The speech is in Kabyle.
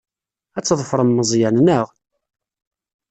Ad tḍefrem Meẓyan, naɣ?